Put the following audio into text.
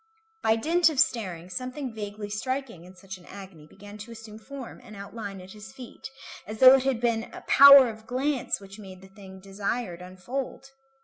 By dint of staring, something vaguely striking in such an agony began to assume form and outline at his feet, as though it had been a power of glance which made the thing desired unfold.